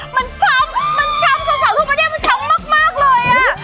มันช้ำมันช้ำสาวทั่วประเทศมันช้ำมากเลยอ่ะ